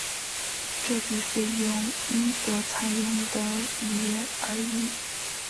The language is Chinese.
这笔费用因所采用的语言而异。